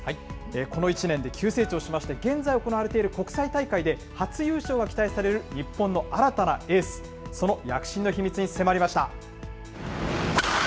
この１年で急成長しまして、現在行われている国際大会で初優勝が期待される日本の新たなエース、その躍進の秘密に迫りました。